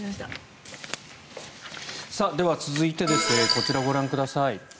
では、続いてこちらをご覧ください。